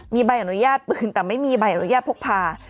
มีใบอนุญาตปืนแต่ไม่มีใบอนุญาตพกพา